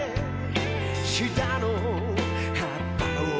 「シダの葉っぱを」